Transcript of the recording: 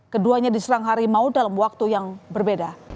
keduanya diserang harimau dalam waktu yang berbeda